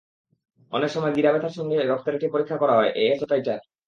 অনেক সময় গিরা ব্যথার সঙ্গে রক্তের একটি পরীক্ষা করা হয়, এএসও টাইটার।